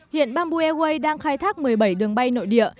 hiện bamboo airways đang khai thác một mươi bảy đường bay nội địa